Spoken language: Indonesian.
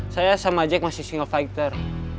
saya sama jack masih singo fighter